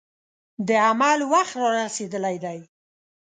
د عمل وخت را رسېدلی دی.